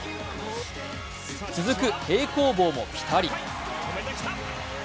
続く平行棒もピタリ。